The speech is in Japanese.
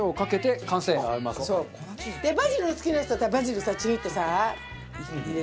バジルの好きな人はバジルちぎってさ入れるね。